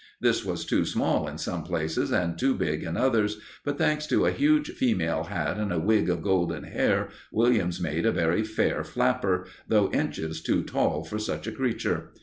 This was too small in some places and too big in others; but thanks to a huge female hat and a wig of golden hair, Williams made a very fair flapper, though inches too tall for such a creature.